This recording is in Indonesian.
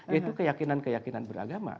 itu keyakinan keyakinan beragama